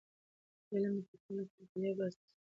د علم د پراختیا لپاره مطالعه یوه بنسټیزه لاره ده.